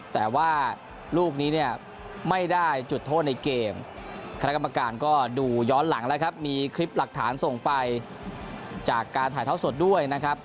แต่ว่าลูกนี้เนี่ยไม่ได้จุดโทษในเกมคณะกรรมการก็ดูย้อนหลังแล้วครับมีคลิปหลักฐานส่งไปจากการถ่ายเท้าสดด้วยนะครับ